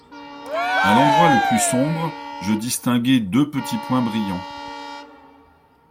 A l'endroit le plus sombre, je distinguai deux petits points brillants.